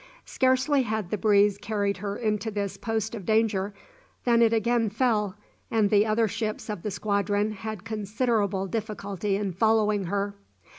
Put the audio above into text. Scarcely had the breeze carried her into this post of danger, than it again fell, and the other ships of the squadron had considerable difficulty in following her.